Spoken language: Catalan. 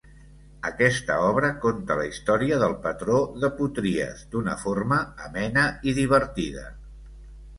Aquesta obra conta la història del patró de Potries d’una forma amena i divertida.